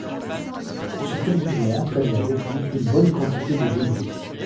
Ce tourbillon entrainait avec lui une bonne quantité de débris.